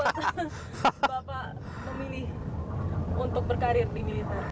apa yang membuat bapak memilih untuk berkarir di militer